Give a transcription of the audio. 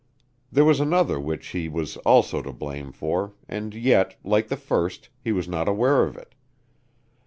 There was another which he was also to blame for, and yet, like the first, he was not aware of it.